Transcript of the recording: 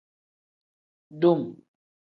Dum.